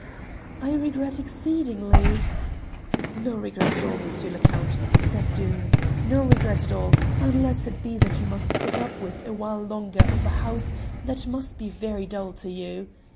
"I regret exceedingly " "No regret at all, M. le Count," said Doom, "no regret at all, unless it be that you must put up with a while longer of a house that must be very dull to you.